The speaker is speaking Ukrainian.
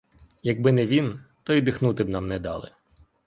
Якби не він, то й дихнути б нам не дали.